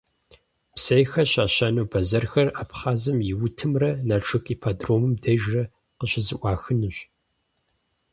Псейхэр щащэну бэзэрхэр Абхъазым и утымрэ Налшык ипподромым дежрэ къыщызэӀуахынущ.